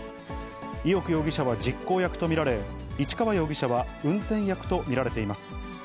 伊能容疑者は実行役と見られ、市川容疑者は運転役と見られています。